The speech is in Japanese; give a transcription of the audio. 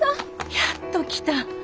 やっと来た。